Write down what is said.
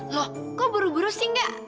loh kok buru buru sih enggak